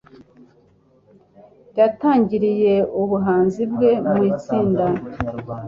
yatangiriye ubuhanzi bwe mu itsinda